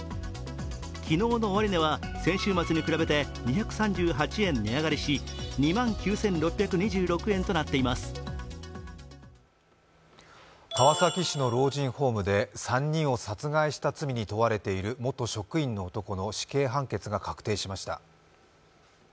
昨日の終値は先週末に比べて２３８円値上がりし、川崎市の老人ホームで３人を殺害した罪に問われている元職員の男の死刑判決が確定しました。